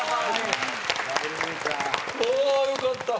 あよかった。